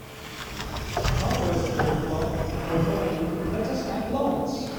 The hardware store clerk proclaimed, "Let us have lights!"